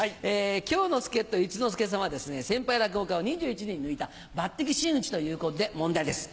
今日の助っ人一之輔さんは先輩落語家を２１人抜いた抜擢真打ちということで問題です。